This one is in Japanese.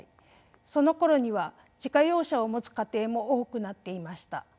そのころには自家用車を持つ家庭も多くなっていました。